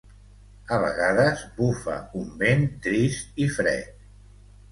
A vegades bufa un vent trist i fred.